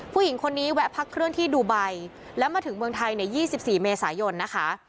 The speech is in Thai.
ผู้หญิงคนนี้แวะพักเครื่องที่ดูไบแล้วมาถึงเมืองไทยใน๒๔เมษายนนะคะ